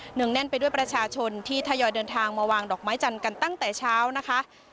งแน่นไปด้วยประชาชนที่ทยอยเดินทางมาวางดอกไม้จันทร์กันตั้งแต่เช้านะคะ